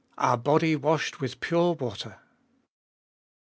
. our body washed with pure water.